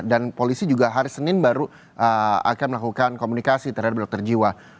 dan polisi juga hari senin baru akan melakukan komunikasi terhadap dokter jiwa